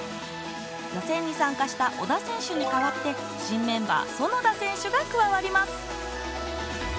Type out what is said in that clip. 予選に参加した小田選手にかわって新メンバー苑田選手がくわわります